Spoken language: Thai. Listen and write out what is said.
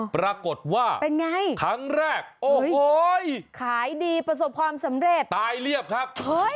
ปรากฏว่าเป็นไงครั้งแรกโอ้โหขายดีประสบความสำเร็จตายเรียบครับเฮ้ย